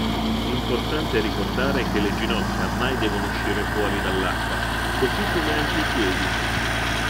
Importante ricordare che le ginocchia mai devono uscire fuori dall'acqua, così come anche i piedi.